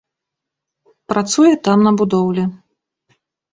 Працуе там на будоўлі.